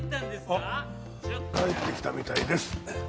あっ帰って来たみたいです。